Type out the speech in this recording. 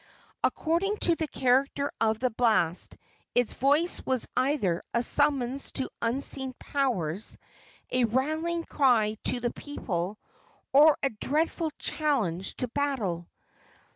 According to the character of the blast, its voice was either a summons to unseen powers, a rallying cry to the people, or a dreadful challenge to battle.